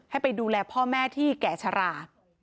ให้ไปดูแลพ่อแม่ที่แก่ชะลา